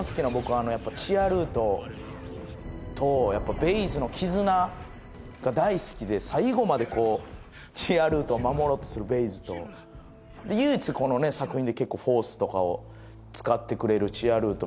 あのやっぱチアルートとやっぱベイズの絆が大好きで最後までこうチアルートを守ろうとするベイズと唯一このね作品で結構フォースとかを使ってくれるチアルート